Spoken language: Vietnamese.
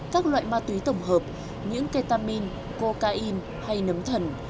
các loại ma túy tổng hợp những ketamin cocaine hay nấm thần